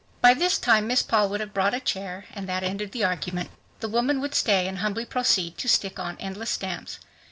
By this time Miss Paul would have brought a chair, and that ended the argument. The woman would stay and humbly proceed to stick on endless stamps.